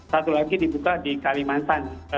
satu lagi dibuka di kalimantan